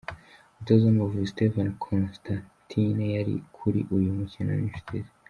Umutoza w’Amavubi Stephen Constantine yari kuri uyu mukino n’inshuti ze.